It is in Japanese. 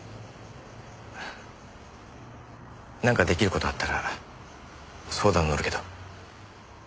なんか出来る事あったら相談乗るけど。